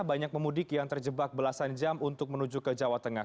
banyak pemudik yang terjebak belasan jam untuk menuju ke jawa tengah